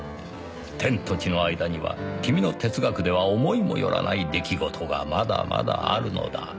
「天と地の間には君の哲学では思いもよらない出来事がまだまだあるのだ」。